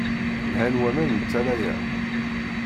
Lhan waman n tala-a.